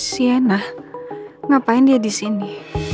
si ena ngapain dia di sini